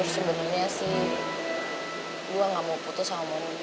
sebenernya sih gue gak mau putus sama mondi